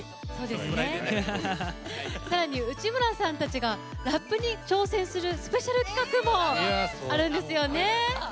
さらに、内村さんたちがラップに挑戦するスペシャル企画もあるんですよね。